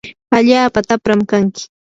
allaapa tapram kanki.